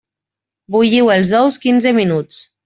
Bulliu els ous quinze minuts.